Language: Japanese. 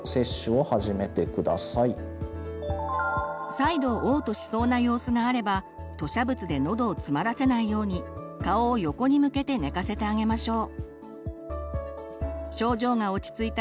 再度おう吐しそうな様子があれば吐しゃ物で喉をつまらせないように顔を横に向けて寝かせてあげましょう。